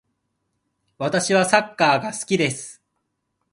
私はサッカーが好きです。